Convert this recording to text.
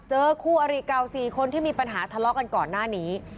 เจอคู่อริเก่า๔คนที่มีปัญหาทะเลาะกันก่อนหน้านี้